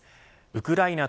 ウクライナ